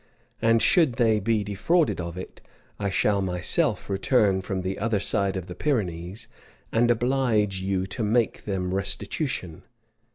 And should they be defrauded of it, I shall myself return from the other side of the Pyrenees, and oblige you to make them restitution."